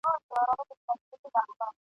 او څلور ناولونه یې چاپ کړل ..